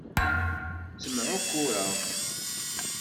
Ttemεukkureɣ.